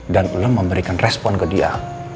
dan lo memberikan respon ke dia